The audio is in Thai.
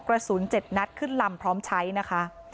กระสุน๗นัดขึ้นลำพร้อมใช้นะคะ